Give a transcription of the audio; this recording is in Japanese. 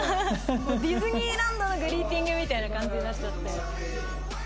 ディズニーランドのグリーティングみたいな感じになっちゃって。